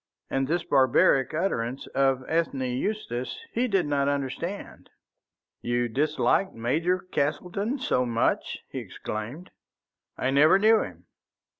And this barbaric utterance of Ethne Eustace he did not understand. "You disliked Major Castleton so much?" he exclaimed. "I never knew him."